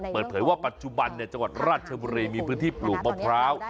เปิดเผยว่าปัจจุบันจังหวัดราชบุรีมีพื้นที่ปลูกมะพร้าว